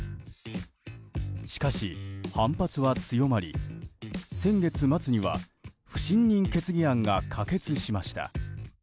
しかし反発は強まり、先月末には不信任決議案が可決しました。